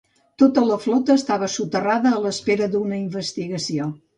Tota la flota estava soterrada a l'espera d'una investigació.